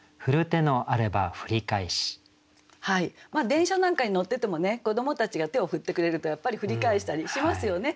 電車なんかに乗っててもね子どもたちが手を振ってくれるとやっぱり振り返したりしますよね。